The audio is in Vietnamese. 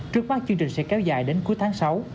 trước mắt chương trình sẽ kéo dài đến cuối tháng sáu